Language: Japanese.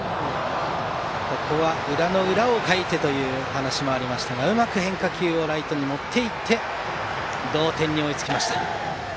裏の裏をかいてというお話もありましたがうまく変化球をライトに持っていって同点に追いつきました。